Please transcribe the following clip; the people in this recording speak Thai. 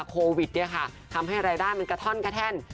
โควิดเนี่ยค่ะทำให้รายได้มันกระท่อนกระแท่น